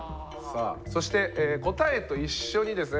そして答えと一緒にですね